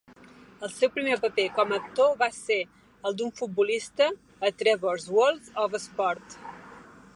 El seu primer paper com a actor va ser el d'un futbolista a "Trevor's World of Sport".